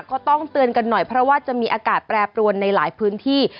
ก็ต้องเตือนกันหน่อยเพราะว่าจะมีอากาศแปรปรวนในหลายพื้นที่